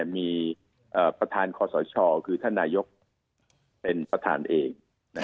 มีประธานคอสชคือท่านนายกเป็นประธานเอง